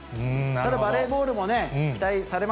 ただ、バレーボールも期待さ